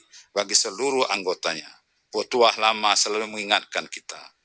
seorang pemimpin yang baik bagi seluruh anggotanya buatuah lama selalu mengingatkan kita